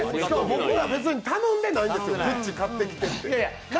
僕ら、別に頼んでないんですよ、グッチ買ってきてって。